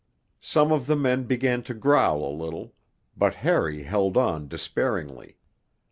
Some of the men began to growl a little, but Harry held on despairingly.